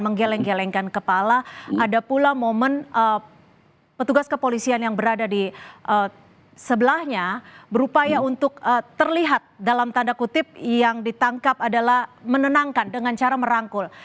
menggeleng gelengkan kepala ada pula momen petugas kepolisian yang berada di sebelahnya berupaya untuk terlihat dalam tanda kutip yang ditangkap adalah menenangkan dengan cara merangkul